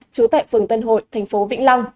chú tại phường tân hội thành phố vĩnh long